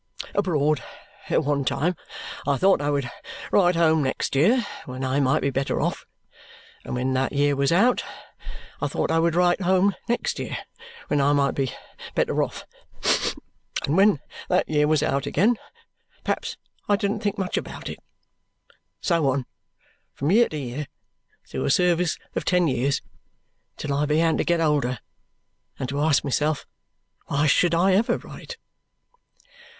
Abroad, at one time I thought I would write home next year, when I might be better off; and when that year was out, I thought I would write home next year, when I might be better off; and when that year was out again, perhaps I didn't think much about it. So on, from year to year, through a service of ten years, till I began to get older, and to ask myself why should I ever write."